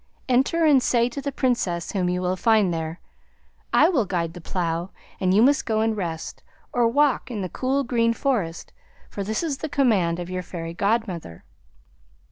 Enter and say to the Princess whom you will find there: "I will guide the plough and you must go and rest, or walk in the cool green forest; for this is the command of your Fairy Godmother."'"